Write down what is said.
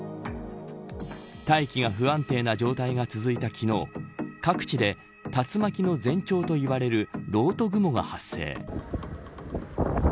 大気が不安定な状態が続いた昨日各地で竜巻の前兆といわれるろうと雲が発生。